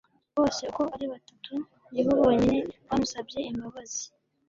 bose uko ari batatu ni bo bonyine bamusabye imbabazi